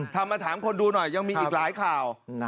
ถามมาถามคนดูหน่อยยังมีอีกหลายข่าว